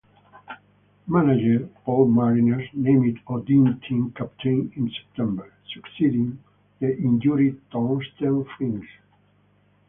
Manager Paul Mariner named O'Dea team captain in September, succeeding the injured Torsten Frings.